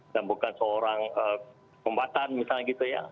dan bukan seorang pembahasan misalnya gitu ya